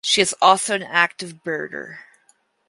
She is also an active birder.